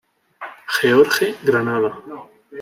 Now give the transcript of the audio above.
George, Granada.